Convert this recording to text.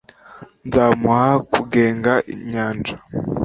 nzamuha kugenga inyanja